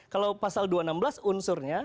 kalau pasal dua ratus enam belas unsurnya